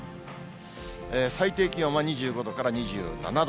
最低気温は２５度から２７度。